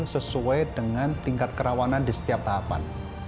sesuai dengan tingkat kerawanan di setiap tahapan